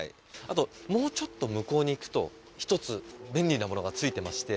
あともうちょっと向こうに行くと１つ便利なものが付いてまして。